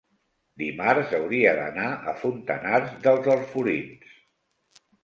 Dimarts hauria d'anar a Fontanars dels Alforins.